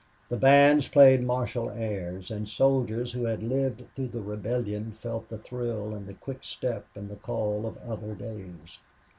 The bands played martial airs, and soldiers who had lived through the Rebellion felt the thrill and the quick step and the call of other days.